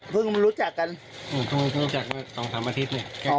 พึ่งรู้จักกัน๒๓อาทิตย์